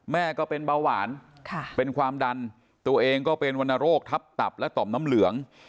แม่ก็เป็นเบาหวานเป็นความดันตัวเองก็เป็นวรรณโรคทับตับและต่อมน้ำเหลือง